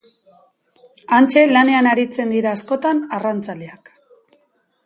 Hantxe lanean aritzen dira askotan arrantzaleak.